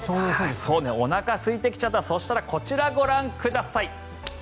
おなかがすいてきちゃったそしたら、こちらご覧ください。